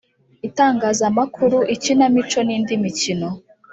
itangazamakuru, ikinamico n'indi mikino.